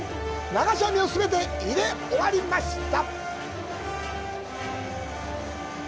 流し網を全て入れ終わりました。